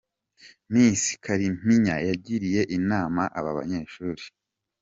Miss Kalimpinya yagiriye inama aba banyeshuri.